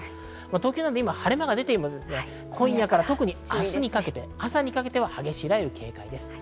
東京など今、晴れ間が出ていても、今夜から特に明日にかけて朝にかけて、激しい雷雨に警戒です。